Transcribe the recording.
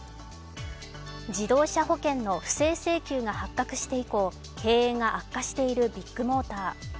自動車保険の不正請求が発達して以降、経営が悪化しているビッグモーター。